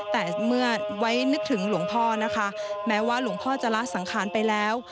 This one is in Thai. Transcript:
แต่เมื่อไว้นึกถึงหลวงพ่อนะคะแม้ว่าหลวงพ่อจะละสังขารไปแล้ว